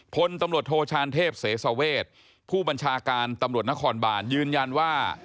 พลตำรวจโทชานเทพเสสเวทผู้บัญชาการตำรวจนครบานยืนยันว่า